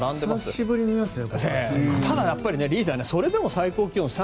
久しぶりに見ますね。